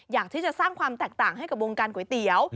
อยากที่จะสร้างความแตกต่างให้กับวงการก๋วยเตี๋ยว